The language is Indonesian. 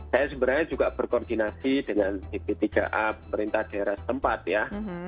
saya sebenarnya juga berkoordinasi dengan bp tiga a pemerintah daerah tempat ya